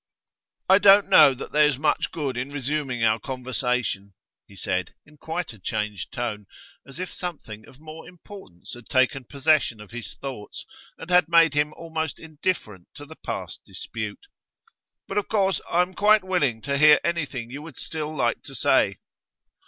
'I don't know that there's much good in resuming our conversation,' he said, in quite a changed tone, as if something of more importance had taken possession of his thoughts and had made him almost indifferent to the past dispute. 'But of course I am quite willing to hear anything you would still like to say.